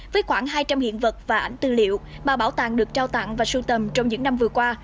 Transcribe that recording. với khoảng hai trăm linh hiện vật và ảnh tư liệu mà bảo tàng được trao tặng và sưu tầm trong những năm vừa qua